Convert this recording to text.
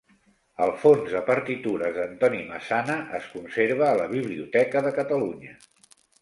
El fons de partitures d'Antoni Massana es conserva a la Biblioteca de Catalunya.